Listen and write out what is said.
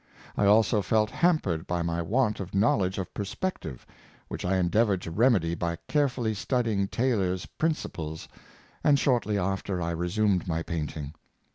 I also felt ham pered by my want of knowledge of perspective, which I endeavored to remedy by carefully studying Taylor's * Principles; ' and shortly after I resumed my painting.